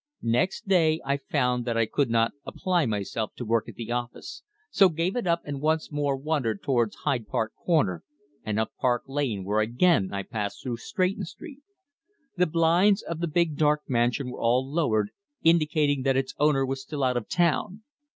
Next day I found that I could not apply myself to work at the office, so gave it up and once more wandered towards Hyde Park Corner and up Park Lane where again I passed through Stretton Street. The blinds of the big dark mansion were all lowered, indicating that its owner was still out of town.